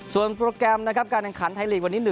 ส่วนโปรแกรมการแขนไทยลีกวันนี้